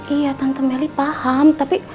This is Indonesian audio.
iya tante meli paham